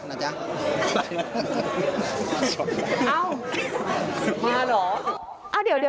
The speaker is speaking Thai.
เอ้ามาเหรอ